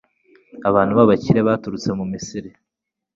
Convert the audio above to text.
Abantu b’abakire baturutse mu Misiri